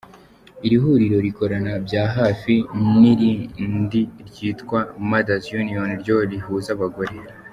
Iri huriro rikorana bya hafi n’irindi ryitwa Mother’s Union ryo rihuza abagore.